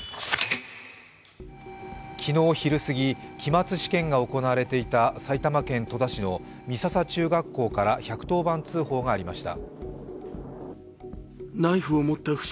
昨日昼過ぎ、期末試験が行われていた埼玉県戸田市の美笹中学校から１１０番通報がありました。